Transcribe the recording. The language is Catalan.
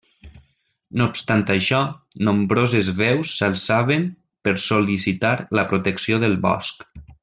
No obstant això, nombroses veus s'alçaven per sol·licitar la protecció del bosc.